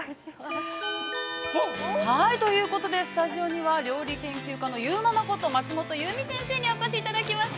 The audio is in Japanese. ◆ということでスタジオには、料理研究家のゆーママこと、松本ゆうみ先生にお越しいただきました。